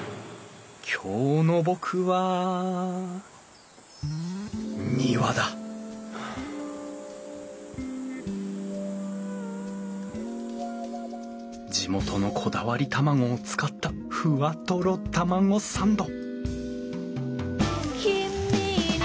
今日の僕は庭だ地元のこだわり卵を使ったふわとろタマゴサンド！